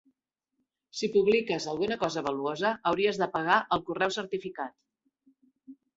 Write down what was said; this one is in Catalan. Si publiques alguna cosa valuosa, hauries de pagar el correu certificat